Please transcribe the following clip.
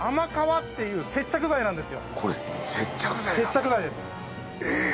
これ接着剤なんですか